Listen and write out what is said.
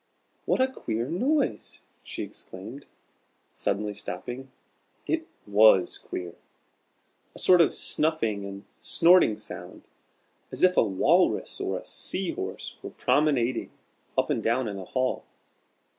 "What a queer noise!" she exclaimed, suddenly stopping. It was queer a sort of snuffing and snorting sound, as if a walrus or a sea horse were promenading up and down in the hall.